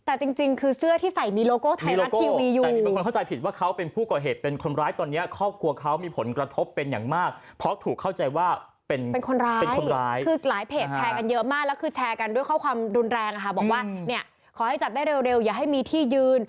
แต่จริงคือเสื้อที่ใส่มีโลโก้ไทยรัฐทีวีอยู่